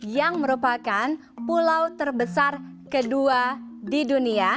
yang merupakan pulau terbesar kedua di dunia